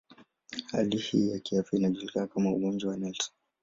Hali hii ya kiafya inajulikana kama ugonjwa wa Nelson.